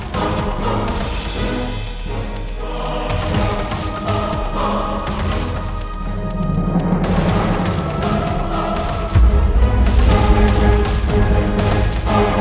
terima kasih pak